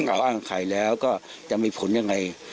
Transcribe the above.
อ้างใครแล้วก็จะมีผลยังไง